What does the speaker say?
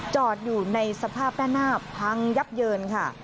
จอดอยู่ในสภาพด้านหน้าพังยับเยินค่ะ